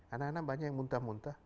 anak anak banyak yang muntah muntah